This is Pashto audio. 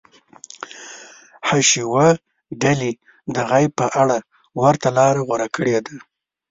حشویه ډلې د غیب په اړه ورته لاره غوره کړې ده.